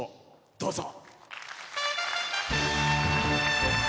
どうぞ。